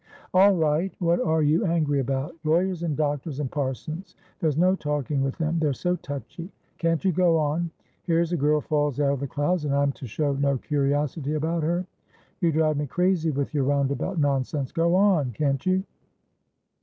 "All right! What are you angry about? Lawyers and doctors and parsonsthere's no talking with them, they're so touchy. Can't you go on? Here's a girl falls out of the clouds, and I'm to show no curiosity about her! You drive me crazy with your roundabout nonsense. Go on, can't you!"